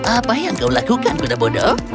apa yang kau lakukan kota bodoh